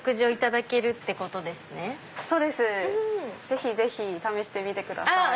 ぜひぜひ試してみてください。